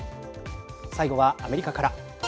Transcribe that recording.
最後はアメリカから。